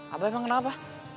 abah abah kenapa